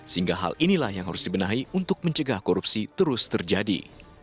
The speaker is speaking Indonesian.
sehingga hal inilah yang harus dibenahi untuk mencegah korupsi terus terjadi